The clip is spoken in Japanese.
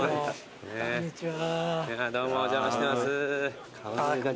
こんちは。